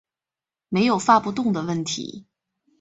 没有发不动的问题